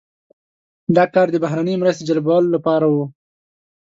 دا کار د بهرنۍ مرستې جلبولو لپاره و.